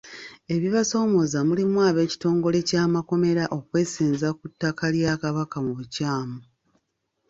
Ebibasoomooza mulimu ab'ekitongole ky'amakomera okwesenza ku tttaka lya Kabaka mu bukyamu.